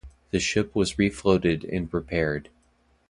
The ship was refloated and repaired.